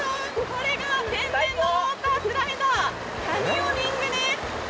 これが天然のウォータースライダー、キャニオニングです。